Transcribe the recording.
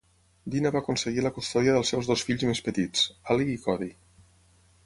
Dina va aconseguir la custòdia dels seus dos fills més petits, Ali i Cody.